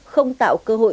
không tạo cơ hội